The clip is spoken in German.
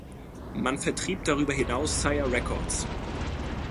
Man vertrieb darüber hinaus Sire Records.